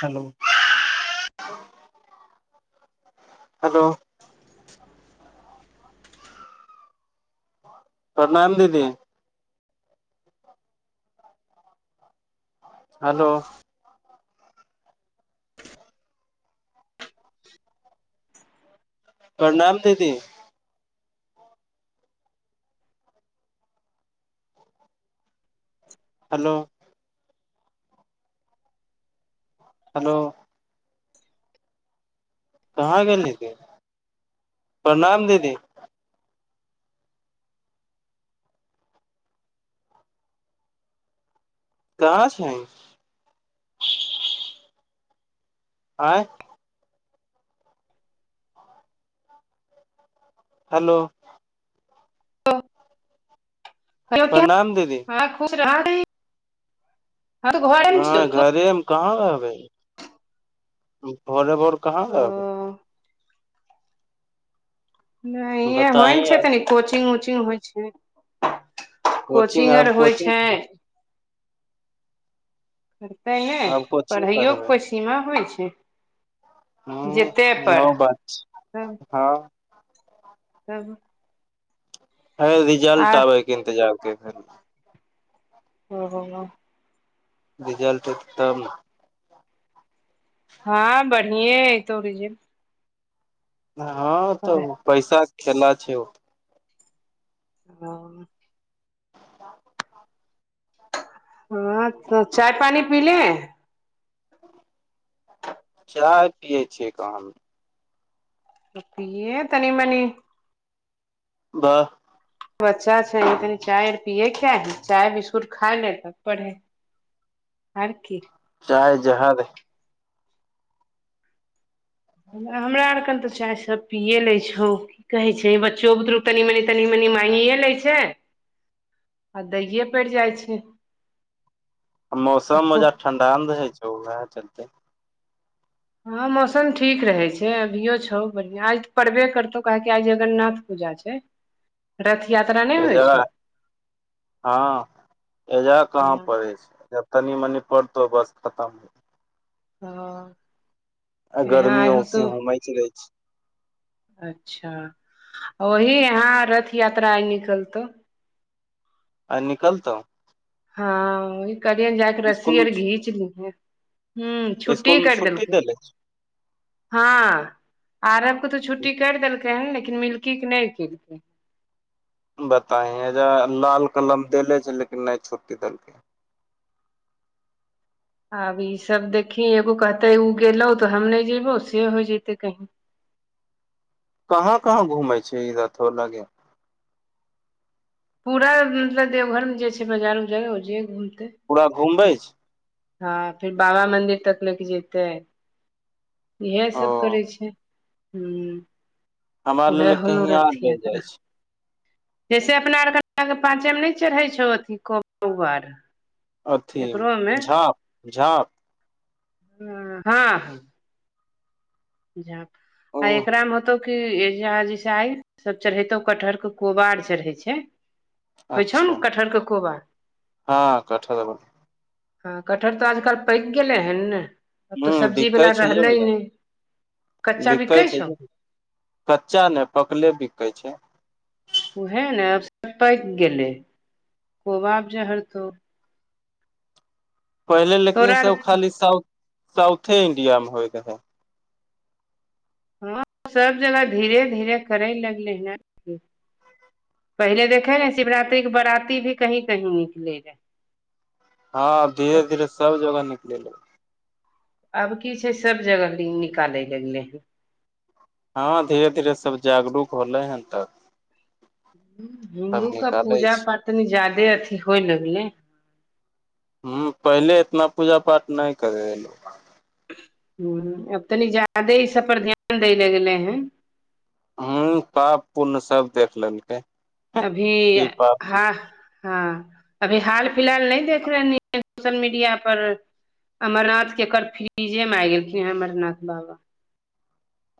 Hello hello प्रणाम दीदी hello [inaudible] परणाम दीदी हलौ हलो कहाँ गेली गे प्रणाम दीदी कहां छीही आंय हलो हलो हेलो क्या प्रणाम दीदी हं खुश रह तऽ घरेमे नै छियौ तू घरे हम कहां रहबै भोरे भोर कहां रहबै ओ नइ होइ बताई छै आब तनी कोचिंग ओचिंग होइ छै कोचिंग आब आर होइ छै कोचिंग पढ़तै नाय आब कोचिंग पढ़ैओ के करबै कोइ सीमा होइ छै जेते हूँ इहो पर बात छै तब हँ तब है रिजल्ट आर आबैके इंतजार करै छी हँ हँ ह रिजल्ट एतै तब न हँ बढ़िये अइतौ रिजल्ट हँ त पड़ै उ पैसा के खेला छै उ ओ हँ त चाय पानी पीले चाय पियै छियै क हम पिये तनी मनी वाह बच्चा छै तनी चायर पिएके चाही, चाय बिस्कुट खाइ ले तब पढ़ै आर की चाय जहर है हमरा आर कने त चाय सब पीए लै छौ कि कहै छै बच्चो बुतरु तनी मनी तनी मनी मागिए लै छाय आ दइए परि जाइ छै मौसम कको ओजा ठण्डा न रहै छै ओएह चलतै हँ मौसम ठीक रहैे छै अभियो छौ बढ़ियाँ पड़बे करतौ काहे कि आज जगरनाथ पूजा छै [inaudible] रथ यात्रा नै एजा हं एजा कहां हँ पढ़ै छै तनी मनी पढ़तौ बस खतम हं आ गर्मी हो से मइच जाय छै अच्छा, वही यहाँ रथ यात्रा आइ निकलतौ आइ निकलतौ हँ करियन जाक रस्सी स्कूल आर घींच लीहे हूँ छुट्टी स्कूल मे कारि देलकै देले हँ आरब के तो छै छुट्टी करि देलकै हन लेकिन मिलकी के नै केलकै बताए [unintelligible] लाल कलम देले छै लेकिन नै छुट्टी देलकै आब ईसभ देखी एगो कहते ओ गेलो तऽ हम नहि जेयबौ से होय जते कही कहाँ कहाँ घूमे छै इ रथो वला गे पूरा मतलब देवघरमे जे छै बजार उजार ओ जे घूमतै पूरा घुमबै छै हँ फिर बाबा मंदिर तक ले के जेतेै ओ इएहसभ करै छै हू हमरा लेल उएह हलो कहीं आर रथ ले जाइ यात्रा छै जैसे अपना आरके पाँचे मे नहि चढ़ै छौ अथीर अथी झाँप झाँप हू हँ हँ झाँप ओ आ एकरा मे होतौ की जैसे आइ सब चढ़ैतो कटहर के कोबार आर चढ़ै छै होइ छौ नऽ अच्छा कटहरके कोौबा हँ [unintelligible] हँ कटहर तऽ आजकल पकि गेलै हन ने आब ह तऽ सब्जी बिकै वला छै यौ रहलै नहि कच्चा बिकै छै छौ कच्चा ने पकले बिकै छै उह ने अब सब पाक गेलै कोबाब [unintelligible] पहिले लेकिन ई तोरा आर सब खाली हँ साउथ साउथे इंडिया में होइत रहे सब जगह धीरे धीरे करे लगले हन पहिले देखे ने शिवरात्रि के बराती भी कहीं कहीं निकले रहे हँ धीरे धीरे सब जगह निकल आब की छै सब जगह निकालय लगलै हन हँ धीरे धीरे सब जागरूक होलै हन तऽ हिन्दू कऽ निकाले पूजा छै पाठनि ज्यादे अथी होइ लगलै हू पहिले एतना पूजा पाठ नहि करै रहै लोग हू आब तनी ज्यादे ई सब पर ध्यान दै लए गेले है हू पाप पुण सब देख लेलकै अभी की पाप हँ हँ अभी हाल फिलहाल नहि देख रहले सोशल मीडिया पर अमरनाथ के एकर फ्रिजे मे आ गेलखिन हे अमरनाथ बाबा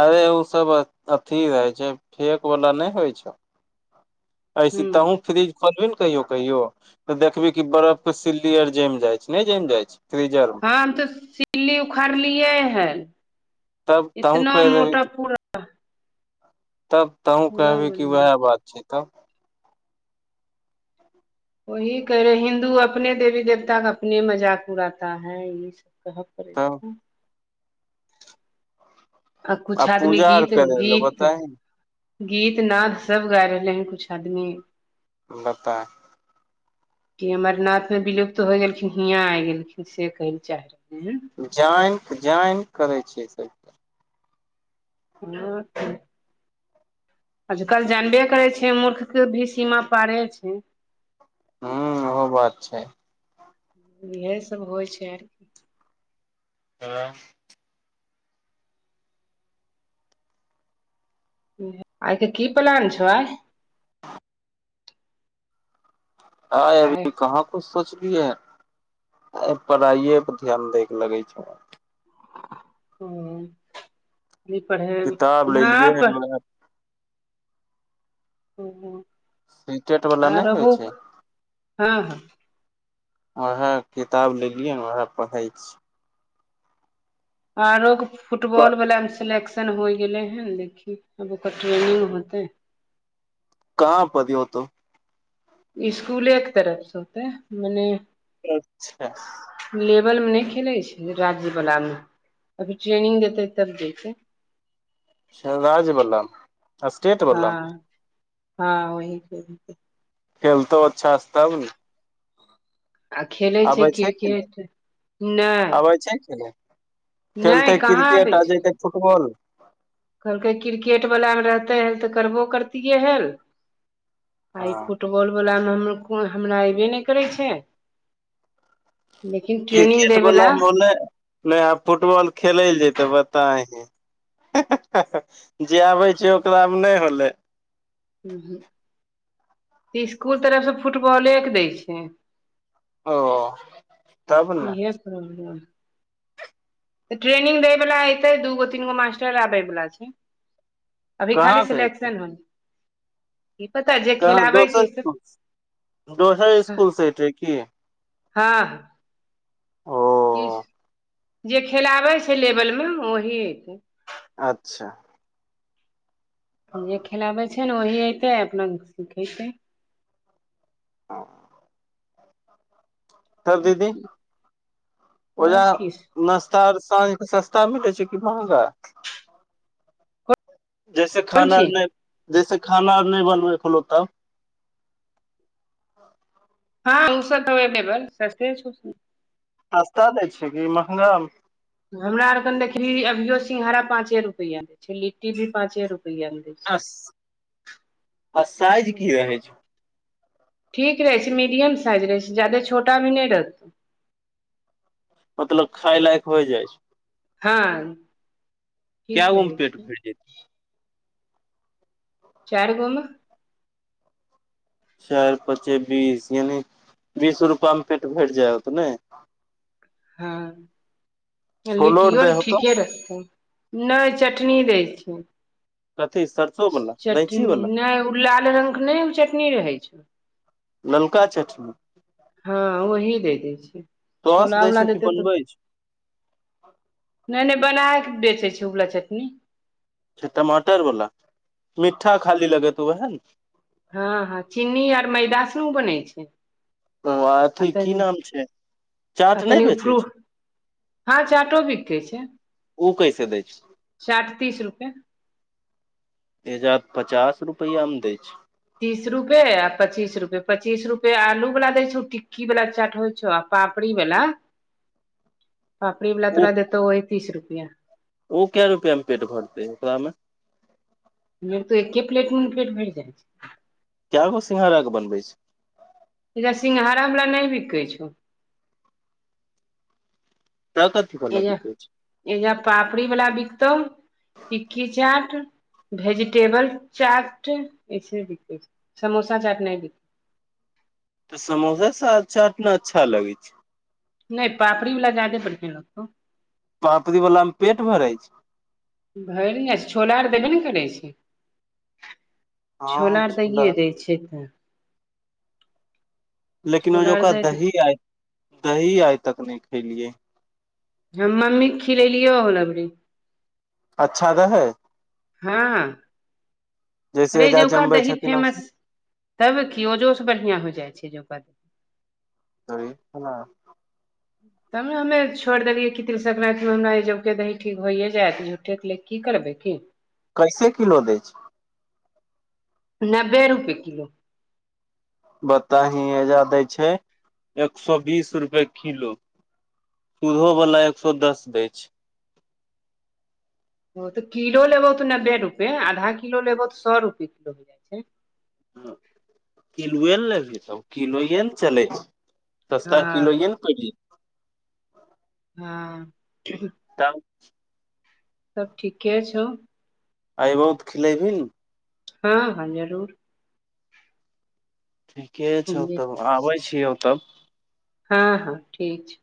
अरे ओ सब अथी रहै छै फेक वलाा नहि होइ छौ ऐसे ह तहुँ फ्रिज खोलबी नऽ कहियो कहियो तऽ देखबी की बर्फ के सिल्ली आर जमि जाय छै नहि जमि जाय छै फ्रिजर मे हम तऽ सिलली उखाड़लियै है तब तहूँ इतना कहि मोटा देबही पू तब तहुूँ पूरा कहबै बन कि वएह बात छै तब वही कहै रहै हिन्दू अपने देवी देवताक अपने मजाक उड़ाता है इ सब कहब पड़े तब आ कुछु आदमी पूजा आर गीत करे ल गीत बताही गीत नाद सब गाय रहले हैं कुछ आदमी। बता कि अमरनाथ मे विलुप्त होय गेलखिन हियाँ आ गेलखिन से कहै लए चाहे रहथि ह जान जान करै छियै स [unintelligible] आजकल जानबे करै छै मूर्ख के भी सीमा पारे छै। हू ओहो बात छै। इएह सब होइ छै आर। त आर आइ के की प्लान छौ आइ। आइ अभी कहाँ कुछ सोचलियै। आब पढ़ाइए पर ध्यान दैके लगै छै। हूँ इ पढ़ैब किताब लेलियै हँप हन सीटेट वाला [unintelligible] नहि होइ आरहोक छै हँ हँ। आहाँ उएह किताब लेलियै न उएह पढ़ै छी। आरो क फुटबॉल वला मे सिलेक्श तन होइ गेलै हैन। देखी आब ओकर ट्रेनिंग होतै। कहां पदयौ तौ। इस्कुलेके तरफसँ एतै मने अच्छा लेवल मे नै खेलै छै राजीव वलामे अभी ट्रेनिंग देतै तब देछै। छा राज्य बला मे अस्टेट हँ बला मे। हँ ओही खेलतौ अच्छासे तब ने। आ खेलै आबै छै खेल क्रिकेट आबै नहि छै खेल। नहि खेलतै कहाँ आबै क्रिकेट आ छै जेतै फुटबौल कहलकै क्रिकेट वला मे रहते हल तऽ करबो करतिये हल आइ फूट हँ फुटबॉलवलामे हम हमरा अयबे नै करै छै। लेकिन ट्रेनिंग क्रिकेट वला दयवला मोने नय आब फुटबॉल खेलै लए जेतै बताही। जे आबै छै ओकरा मे नै होलै। उहूक इस्कुल तरफसँ फुटबॉलेके दै छै। ओ तब न ओ तऽ ट्रेनिंग दै वला ऐतै दूगो तीन गो मास्टर आबै बला छै। अभी खाली कहाँ से एतै सिलेक्शन होनी की पता जे कहाँ खेलाबै छै दोसर से ठां से दोसर इस्कुल से ऐतै की। हँ हँ ओ कीस जे खेलाबै छै लेवल मे ओही ऐतै। अच्छा जे खेलाबै छै न ओही अतै अपना सिखेतै। ओ [unintelligible] तब दीदी ओजा सब किछ नाश्ता आर साँ के सस्ता भेटय छै कि महंगा। जैसे कोन खाना आर चीज नै जैसे खाना आर नै बनबै फलौ तब। हँ उ सब हव केबल सस्ते छौ। [unintelligible] सस्ता दै छै कि महंगा हमरा आर केन देखबीही अभियो सिंंघारा पाचे रुपयें लिट्टी भी पाचे रुपया मे अस साइज छै की रहैय छैइय। ठीक रहै छैं मीडियम साइज रहै छै जादे छोटा मे न रहतौ। मतलब खाय लायक होइ जाइ छै। हँ ठीक केगों मे रहै पेट छै भैर जैतै। चारि गोमे। चारि पाँचे बीस यानि बीस रुपा मे पेट भैड़ जाय होतो नै। हँ छोलो आर लिट्टियो दै होतो ठीके रहथुन। नैय चटनी दैय छैं। कथी सरसो वाला रैंची चटनी वाला नहि ओ लाल रंग के नहि ओ चटनी रहैय छैं। ललका चटनी। हँ वही दैय दैय छैइय सॉस छोला दै वला छौ कि देते तऽ। बनबै नैय नैय बनाके बेचैय छैय उवला चटनी। टमाटर वाला मिठा खाली लगैत वएह ने। हँ हँ चिन्नी आर मैदा सऽ नऽ उ बनैय छैय। उ आ अथी की नाम छै चाट नैय बेचैय छैय। हाॅं चाटो बिकै छैय ओ कैसे दै चाट तीस रुपए। तेजाप पचास रुपया में दैय छैय। तीस रुपए आ पच्चीस रुपए पचीस रुपए आलूवला दैय छौ टिक्कीवला चाट होइय छौव‌। पापड़ी बला। [inaudible] पापड़ी वाला ओ तोरा देतौव ओहि तीस रुपया। ओ के रुपआ मे पेट भरतैय ओकरामें। से तऽ एके प्लेट में पेट भैर जाय छैय। केगो सिंघारा कऽ बनबैय छैइय। ईधर सिंघाड़ा बला नहि बिकैय छौव। तऽ कथि बला बिकय छैय ईहा पापड़ी वाला बिकतौव। टिक्की चाट भेजिटेबल चाट। [unintelligible] समोसा चाट नैयबिकैय छैइय। तऽ समोसा सा चाट अच्छा लगैय छैय। नहि पापड़ी वाला ज्यादे बढ़िया लग्तो पापड़ी बलामे पेट भरैय छैय। भरि ने छोला आर देबे ने करैय छैय। छोला दैये दैय छैय। लेकिन ओ जो आर का दै दै दही आइ दही आइ तक नहि खैलियैय। हम मम्मी खिलेलियौव हो एबरी अच्छा रहैय। हाॅं जैसे अरे एजा जौका जमबै दही छथिन फेमस तब की ओजो से बढ़िया हो जाइ छैय जौका दही। दही पुआ। तब ने हमे छोड़ि देलियै कि तिल सक्रान्ति मे हमरा एहि जबके दही ठीक होइए जायत झूठेके ले। कि करबैय की। कैसे किलो दैय छैय। नब्बे रुपए किलो। बताही एहिजा दै छैय एक सौ बीस रुपए किलो। सुधो वाला एक सौ दस दै छैइय। ओ तऽ किलो लेबहो तऽ नब्बे रुपये आधा किलो लेबहु तऽ सए रुपये किलो हो जाइ छैय। किलोए ने लेबही तब किलोए ने चलै छैईय। सस्ता किलो हँ ये ने पेर जेतय हँ तब सब ठीके छौ। आइबो खिले भि नऽ। हाॅं हाॅं जरूर। ठीके छौ तब आबै छियह तब हँ हँ ठीक छ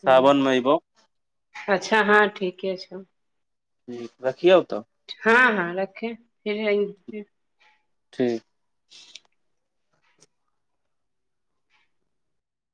सावन मे अयबौ ह अच्छा हँ ठीके छौ रखि आउ तऽ हँ हँ रखे फिर ठीक